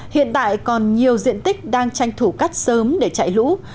hiện tại còn nhiều diện tích đang tranh thủ cắt sớm để chạy lũ